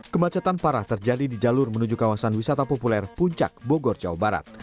kemacetan parah terjadi di jalur menuju kawasan wisata populer puncak bogor jawa barat